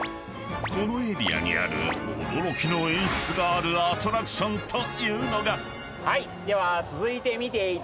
［このエリアにある驚きの演出があるアトラクションというのが］では。